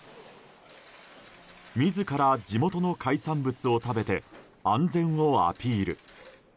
自ら地元の海産物を食べて安全をアピール。